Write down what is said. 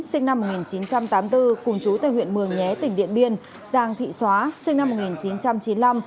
sinh năm một nghìn chín trăm tám mươi bốn cùng chú tại huyện mường nhé tỉnh điện biên giàng thị xóa sinh năm một nghìn chín trăm chín mươi năm